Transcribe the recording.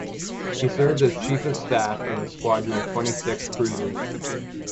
He served as chief of staff of a squadron of twenty-six cruisers.